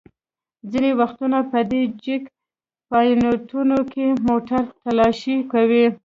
ځینې وختونه په دې چېک پواینټونو کې موټر تالاشي کوي.